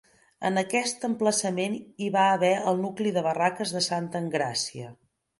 En aquest emplaçament hi va haver el nucli de barraques de Santa Engràcia.